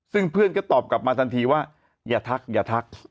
ซึ่งเพื่อนก็ตอบกลับมาทันทีว่าอย่าทักอย่าทัก